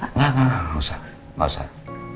enggak enggak enggak gak usah gak usah